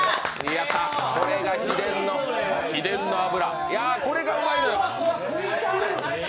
これが秘伝の油、これがうまいのよ。